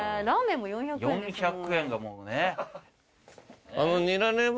４００円がもうね